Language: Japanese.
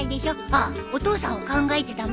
あっお父さんは考えちゃ駄目。